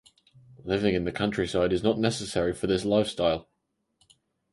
Living in the countryside is not necessary for this lifestyle.